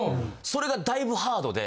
それがだいぶハードで。